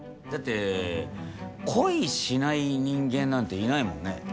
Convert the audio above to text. だって恋しない人間なんていないもんね。